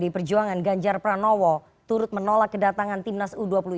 perjuangan bang adian apitupulu